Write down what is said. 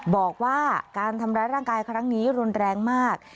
บอกว่าการทำร้ายร่างกายครั้งนี้รุนแรงมาก